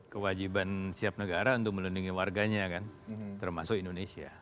kewajiban setiap negara untuk melindungi warganya kan termasuk indonesia